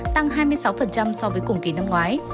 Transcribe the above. tăng hai mươi sáu so với cùng kỳ năm ngoái